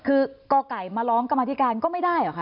คือกไก่มาร้องกรรมธิการก็ไม่ได้เหรอคะ